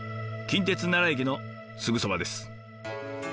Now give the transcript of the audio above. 近鉄奈良駅のすぐそばです。